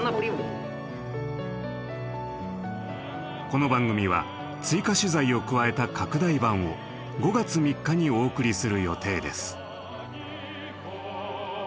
この番組は追加取材を加えた拡大版を５月３日にお送りする予定です。